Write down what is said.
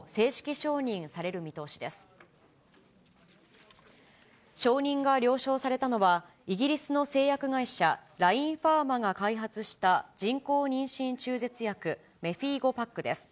承認が了承されたのは、イギリスの製薬会社、ラインファーマが開発した人工妊娠中絶薬、メフィーゴパックです。